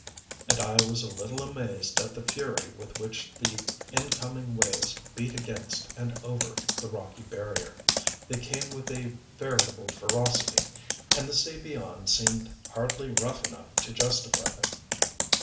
And I was a little amazed at the fury with which the incoming waves beat against and over the rocky barrier. They came with a veritable ferocity, and the sea beyond seemed hardly rough enough to justify them.